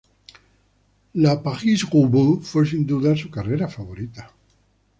La París-Roubaix fue sin duda su carrera favorita.